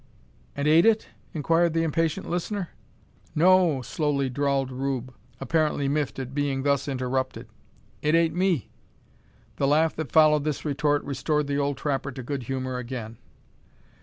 "And ate it?" inquired an impatient listener. "No o," slowly drawled Rube, apparently "miffed" at being thus interrupted. "It ate me." The laugh that followed this retort restored the old trapper to good humour again.